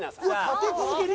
立て続けに？